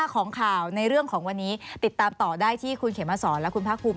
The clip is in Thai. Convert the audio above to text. ของข่าวในเรื่องของวันนี้ติดตามต่อได้ที่คุณเขมสอนและคุณภาคภูมิ